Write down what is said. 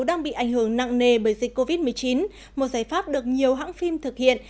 đang bị ảnh hưởng nặng nề bởi dịch covid một mươi chín một giải pháp được nhiều hãng phim thực hiện